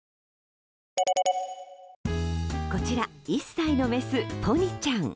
こちら、１歳のメスポニちゃん。